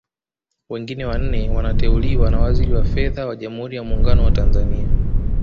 Wengine wanne wanateuliwa na Waziri wa Fedha wa Jamhuri ya Muungano wa Tanzania